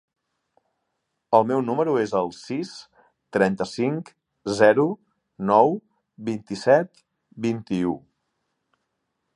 El meu número es el sis, trenta-cinc, zero, nou, vint-i-set, vint-i-u.